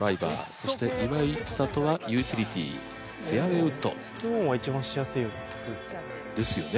そして岩井千怜はユーティリティフェアウェイウッド。ですよね。